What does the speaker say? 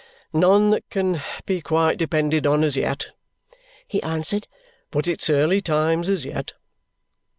"None that can be quite depended on as yet," he answered, "but it's early times as yet."